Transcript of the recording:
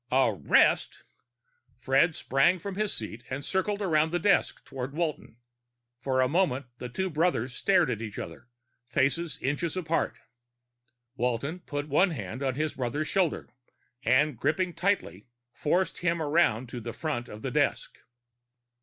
"Arrest!" Fred sprang from his seat and circled around the desk toward Walton. For a moment the two brothers stared at each other, faces inches apart. Walton put one hand on his brother's shoulder and, gripping tightly, forced him around to the front of the desk.